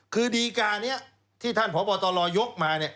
คือดีการ์นี้ที่ท่านพปตลอยกมา